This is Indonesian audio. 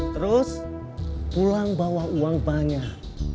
terus pulang bawa uang banyak